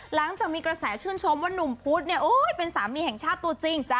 หลังจากมีกระแสชื่นชมว่านุ่มพุธเนี่ยโอ้ยเป็นสามีแห่งชาติตัวจริง